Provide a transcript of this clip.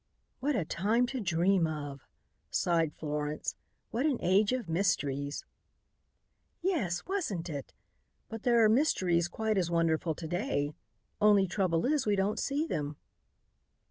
"What a time to dream of," sighed Florence. "What an age of mysteries!" "Yes, wasn't it? But there are mysteries quite as wonderful to day. Only trouble is, we don't see them."